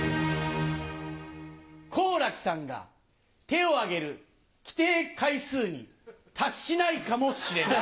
好楽さんが手を挙げる規定回数に達しないかもしれない。